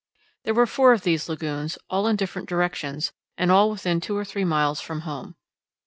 There were four of these lagoons, all in different directions and all within two or three miles from home.